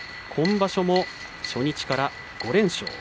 今場所も初日から５連勝。